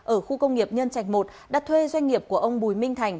ở khu công nghiệp nhân trạch một đã thuê doanh nghiệp của ông bùi minh thành